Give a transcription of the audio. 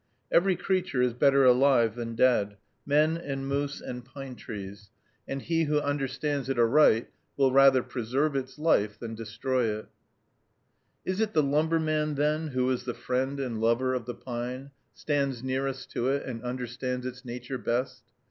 Every creature is better alive than dead, men and moose and pine trees, and he who understands it aright will rather preserve its life than destroy it. [Illustration: Pine Tree, Boar Mountain] Is it the lumberman, then, who is the friend and lover of the pine, stands nearest to it, and understands its nature best?